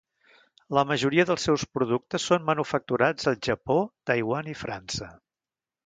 La majoria dels seus productes són manufacturats al Japó, Taiwan i França.